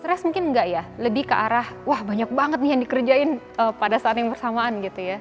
stres mungkin nggak ya lebih ke arah wah banyak banget nih yang dikerjain pada saat yang bersamaan gitu ya